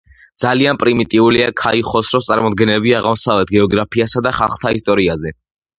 ძალიან პრიმიტიულია ქაიხოსროს წარმოდგენები აღმოსავლეთის გეოგრაფიასა და ხალხთა ისტორიაზე.